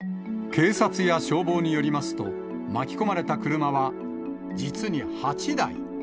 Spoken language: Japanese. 警察や消防によりますと、巻き込まれた車は、実に８台。